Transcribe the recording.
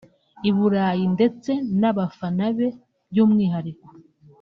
I Burayi ndetse n’abafana be by’umwihariko